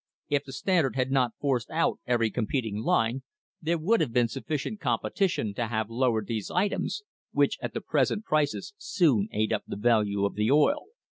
If the Standard had not forced out every competing line, there would have been sufficient com petition to have lowered these items which at the present prices soon ate up the value of oil.